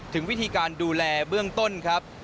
ถึงวิธีการดูแลเบื้องต้นครับ